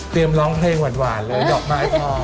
เตรียมร้องเพลงหวานเลยดอกมาให้พร้อม